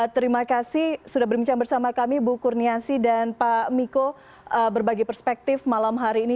terima kasih sudah berbincang bersama kami bu kurniasi dan pak miko berbagi perspektif malam hari ini